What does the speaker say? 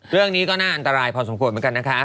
เรื่องนี้ก็น่าอันตรายพอสมควรเหมือนกันนะคะ